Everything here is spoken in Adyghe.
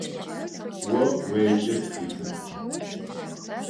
О уеджэ тхылъым.